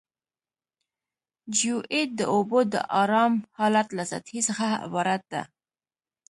جیوئید د اوبو د ارام حالت له سطحې څخه عبارت ده